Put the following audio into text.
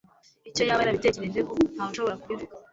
icyo yaba yarabitekerejeho, ntawushobora kubivuga